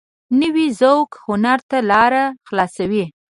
نوی ذوق هنر ته لاره خلاصوي